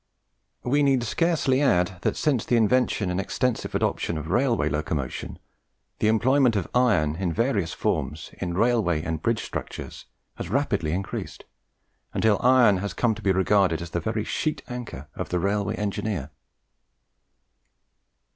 We need scarcely add that since the invention and extensive adoption of railway locomotion, the employment of iron in various forms in railway and bridge structures has rapidly increased, until iron has come to be regarded as the very sheet anchor of the railway engineer.